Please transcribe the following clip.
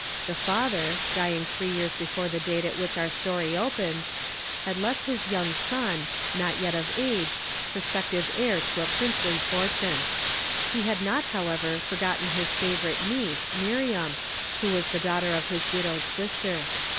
The father, dying three years before the date at which our story opens, had left his young son, not yet of age, prospective heir to a print'cly fortune. He had not, however, forgotten his favorite niece, JMiriam, who was tlie daughter of his widowed sister.